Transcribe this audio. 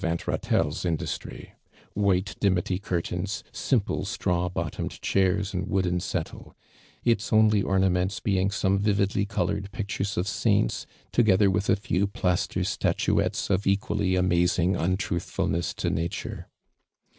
\unt Katelle's industry), white flimity curtains, simple straw bottomed chairs and wooden settle; its Only ornaments being some vividly colored pictures of saints, together with a b'W ))laster statuettes of equally amazing untruthfulness to nature.